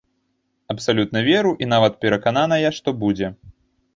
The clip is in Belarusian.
Абсалютна веру і нават перакананая, што будзе.